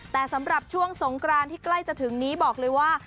แต่สำหรับช่วงสงกรานที่ใกล้จะถึงนี้บอกเลยว่า